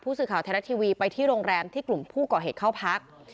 สื่อข่าวไทยรัฐทีวีไปที่โรงแรมที่กลุ่มผู้ก่อเหตุเข้าพัก